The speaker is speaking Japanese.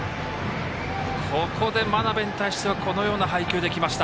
ここで真鍋に対してはこのような配球できました。